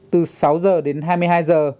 từ sáu h đến hai mươi hai h